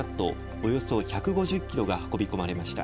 およそ１５０キロが運び込まれました。